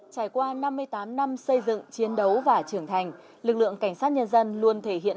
trải qua năm mươi tám năm xây dựng chiến đấu và trưởng thành lực lượng cảnh sát nhân dân luôn thể hiện